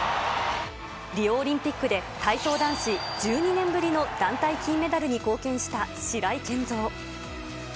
リオオリンピックで体操男子１２年ぶりの団体金メダルに貢献した白井健三。